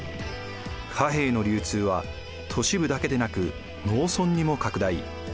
貨幣の流通は都市部だけでなく農村にも拡大。